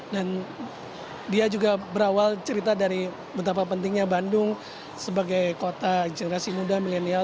dan dia juga berawal cerita dari betapa pentingnya bandung sebagai kota generasi muda milenial